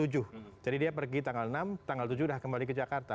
jadi dia pergi tanggal enam tanggal tujuh udah kembali ke jakarta